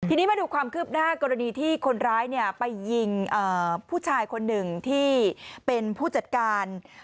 ทีนี้มาดูความคืบหน้ากรณีที่คนร้ายไปยิงผู้ชายคนหนึ่งที่เป็นผู้จัดการ